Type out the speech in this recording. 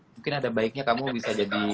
mungkin ada baiknya kamu bisa jadi